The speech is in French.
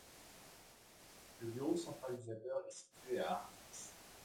Le bureau centralisateur est situé à Artix.